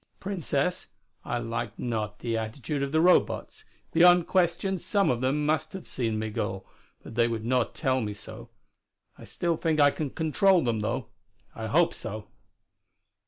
Princess, I like not the attitude of the Robots. Beyond question some of them must have seen Migul, but they would not tell me so. I still think I can control them, though. I hope so."